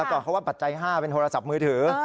ก่อนเขาว่าปัจจัย๕เป็นโทรศัพท์มือถือ